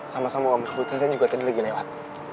sama sama kebetulan saya juga tadi lagi lewat